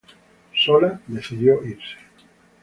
Solá decidió irse.